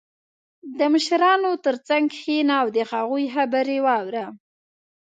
• د مشرانو تر څنګ کښېنه او د هغوی خبرې واوره.